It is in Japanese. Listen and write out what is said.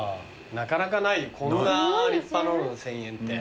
なかなかないよこんな立派なもの１，０００円って。